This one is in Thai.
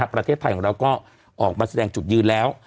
ประเทศไทยของเราก็ออกมาแสดงจุดยืนแล้ว